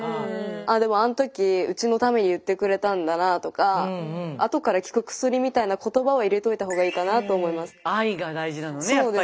ああでもあんときウチのために言ってくれたんだなとか「あとから効く薬」みたいな言葉は入れておいた方がいいかなと思います。